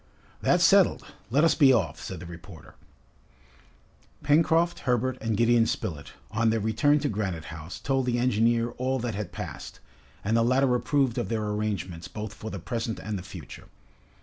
"That's settled. Let us be off," said the reporter. Pencroft, Herbert, and Gideon Spilett, on their return to Granite House, told the engineer all that had passed, and the latter approved of their arrangements both for the present and the future.